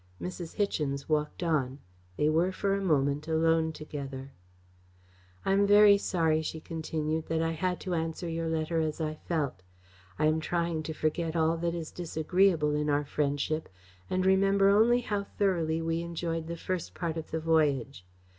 Mrs. Hichens walked on. They were for a moment alone together. "I am very sorry," she continued, "that I had to answer your letter as I felt. I am trying to forget all that is disagreeable in our friendship, and remember only how thoroughly we enjoyed the first part of the voyage.